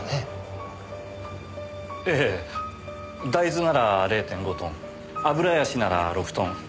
ええ大豆なら０．５トンアブラヤシなら６トン。